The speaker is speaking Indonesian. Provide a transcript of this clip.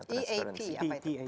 tap apa itu